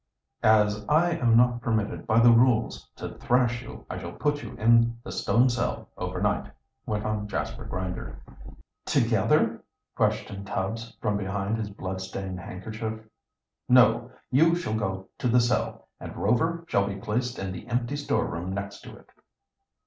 "As I am not permitted by the rules to thrash you, I shall put you in the stone cell over night," went on Jasper Grinder. "Together?" questioned Tubbs, from behind his blood stained handkerchief. "No. You shall go to the cell; and Rover shall be placed in the empty storeroom next to it."